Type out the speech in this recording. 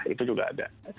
itu juga ada